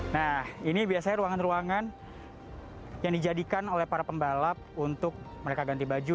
nah ini biasanya ruangan ruangan yang dijadikan oleh para pembalap untuk mereka ganti baju